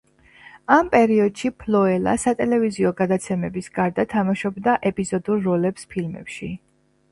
ამ პერიოდში, ფლოელა სატელევიზიო გადაცემების გარდა თამაშობდა ეპიზოდურ როლებს ფილმებში.